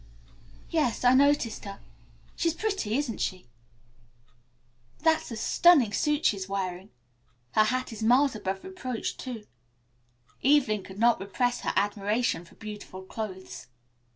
"Yes, I noticed her. She's pretty, isn't she? That's a stunning suit she is wearing. Her hat is miles above reproach, too." Evelyn could not repress her admiration for beautiful clothes.